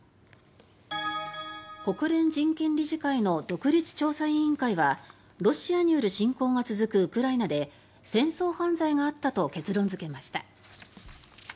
国連人権理事会の独立調査委員会はロシアによる侵攻が続くウクライナで戦争犯罪があったと結論付けました。